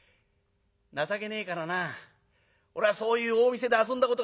情けねえからな俺はそういう大見世で遊んだことがねえんだ。